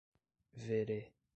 Verê